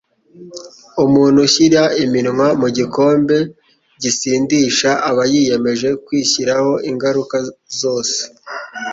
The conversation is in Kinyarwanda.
Umuntu ushyira iminwa mu gikombe gisindisha aba yiyemeje kwishyiraho ingaruka zose